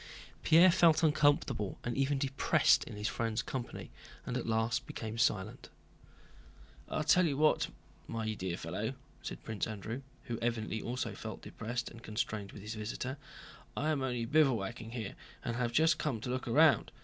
Pierre felt uncomfortable and even depressed in his friend's company and at last became silent. "I'll tell you what, my dear fellow," said Prince Andrew, who evidently also felt depressed and constrained with his visitor, "I am only bivouacking here and have just come to look round.